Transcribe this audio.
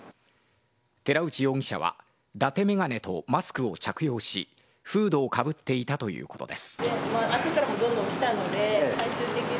寺内容疑者はだて眼鏡とマスクを着用しフードをかぶっていたということです。